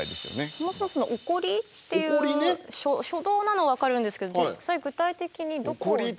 そもそもその起こりっていう初動なのは分かるんですけど実際具体的にどこをどう？